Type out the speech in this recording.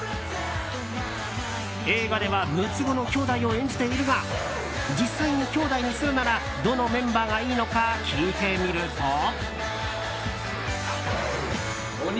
映画では六つ子の兄弟を演じているが実際に兄弟にするならどのメンバーがいいのか聞いてみると。